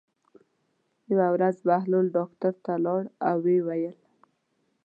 یوه ورځ بهلول ډاکټر ته لاړ او ویې ویل.